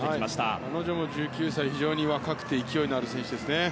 彼女も１９歳、非常に若く勢いのある選手ですね。